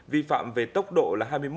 vi phạm về tốc độ là hai mươi một hai mươi